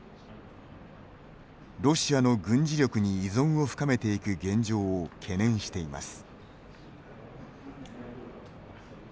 ロシアの軍事力に依存を深めていく現状を懸念しています。